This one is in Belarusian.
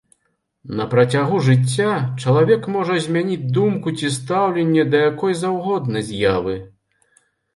На працягу жыцця чалавек можа змяніць думку ці стаўленне да якой заўгодна з'явы.